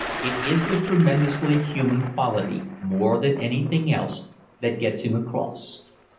It is the tremendously human quality, more than anything else, that gets him across.